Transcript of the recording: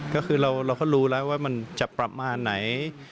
ก็คือเราก็รู้แล้วว่ามันจะประมาณไหน